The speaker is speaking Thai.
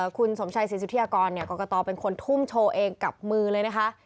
คุณสมชัยศิษยากรก็กระต่อเป็นคนทุ่มโชว์เองกับมือเลยนะคะ